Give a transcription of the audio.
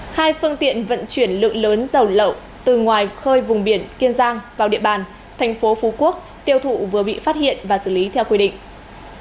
hai phương tiện vận chuyển lượng lớn dầu lậu từ ngoài khơi vùng biển kiên giang vào địa bàn thành phố phú quốc tiêu thụ vừa bị phát hiện và xử lý theo quy định